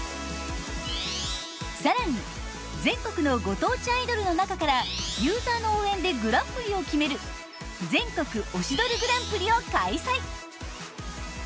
更に全国のご当地アイドルの中からユーザーの応援でグランプリを決める「全国“推しドル”グランプリ」を開催！